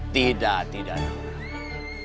tidak tidak nora